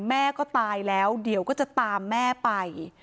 แม่ก็ตายแล้วเดี๋ยวก็จะตามแม่ไป